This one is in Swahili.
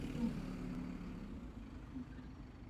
Mia mbili sitini na tano hadi mia nne na ishirini